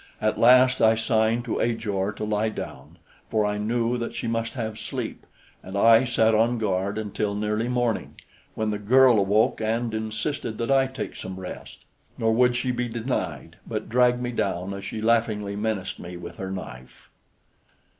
At last I signed to Ajor to lie down, for I knew that she must have sleep, and I sat on guard until nearly morning, when the girl awoke and insisted that I take some rest; nor would she be denied, but dragged me down as she laughingly menaced me with her knife.